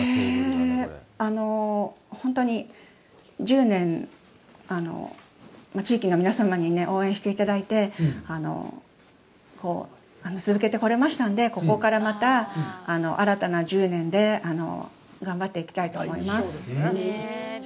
本当に１０年、地域の皆様に応援していただいて、続けてこられましたので、ここから、また新たな１０年で頑張っていきたいと思います。